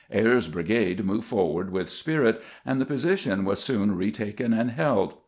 Ayres's brigade moved forward witb spirit, and tbe position was soon retaken and beld.